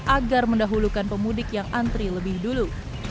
agar mendahulukan pemudik yang antri lebih dulu